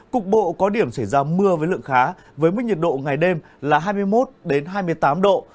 cục bộ có điểm xảy ra mưa với lượng khá với mức nhiệt độ ngày đêm là hai mươi một hai mươi tám độ